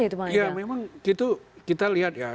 ya memang itu kita lihat ya